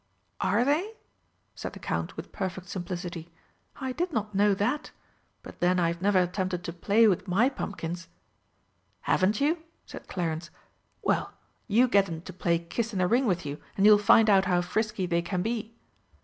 "Are they?" said the Count with perfect simplicity. "I did not know that. But then I have never attempted to play with my pumpkins." "Haven't you?" said Clarence. "Well, you get 'em to play kiss in the ring with you, and you'll find out how frisky they can be!"